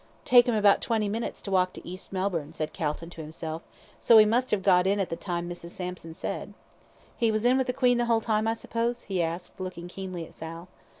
"Take him about twenty minutes to walk to East Melbourne," said Calton to himself "So he must just have got in at the time Mrs. Sampson said. He was in with the 'Queen' the whole time, I suppose?" he asked, looking keenly at Sal.